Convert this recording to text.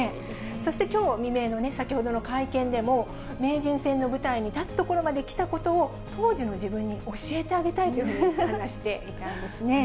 そしてきょう未明の、先ほどの会見でも、名人戦の舞台に立つところまで来たことを、当時の自分に教えてあげたいというふうに話していたんですね。